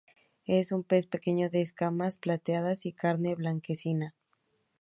Es un pez pequeño de escamas plateadas y carne blanquecina.